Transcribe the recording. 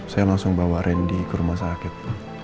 saya langsung bawa randy ke rumah sakit